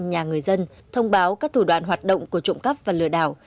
nhà người dân thông báo các thủ đoạn hoạt động của trộm cắp và lừa đảo